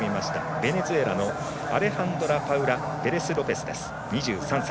ベネズエラのアレハンドラパウラ・ペレスロペス、２６歳。